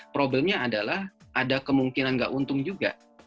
problemnya adalah ada kemungkinan nggak untung juga